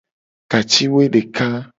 Ka ci woe deka.